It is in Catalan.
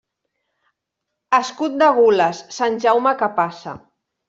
Escut de gules, Sant Jaume que passa.